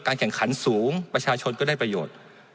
แข่งขันสูงประชาชนก็ได้ประโยชน์